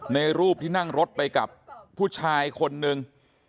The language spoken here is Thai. ในรูปที่นั่งรถไปกับผู้ชายคนนึง